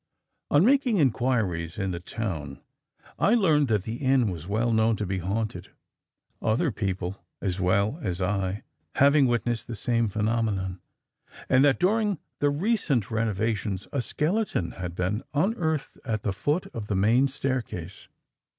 "On making inquiries in the town, I learned that the inn was well known to be haunted, other people, as well as I, having witnessed the same phenomenon, and that during the recent renovations a skeleton had been unearthed at the foot of the main staircase.